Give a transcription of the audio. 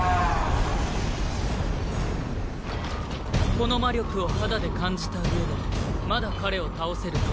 この魔力を肌で感じたうえでまだ彼を倒せると？